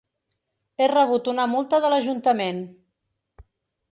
He rebut una multa de l'Ajuntament.